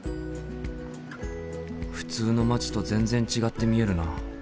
普通の街と全然違って見えるな。